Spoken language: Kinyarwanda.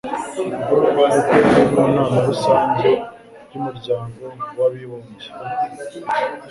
kuko yari mu Nama Rusange y'Umuryango wa Abibumbye